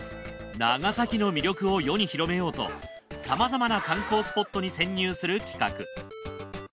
長崎の魅力を世に広めようとさまざまな観光スポットに潜入する企画。